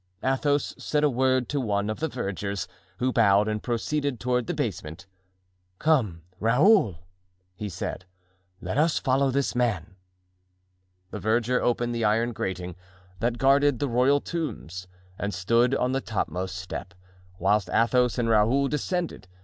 Athos said a word to one of the vergers, who bowed and proceeded toward the basement. "Come, Raoul," he said, "let us follow this man." The verger opened the iron grating that guarded the royal tombs and stood on the topmost step, whilst Athos and Raoul descended.